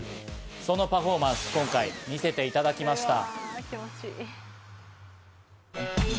そのパフォーマンス、今回見せていただきました。